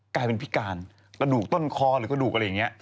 กลายเป็นพิการกระดูกต้นคอหรือกระดูกอะไรอย่างนี้